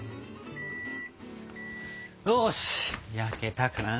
よし焼けたかな。